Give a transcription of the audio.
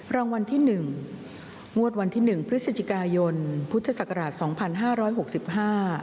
รางวัลที่หนึ่งงวดวันที่หนึ่งพฤศจิกายนพุทธศักราช๒๕๖๕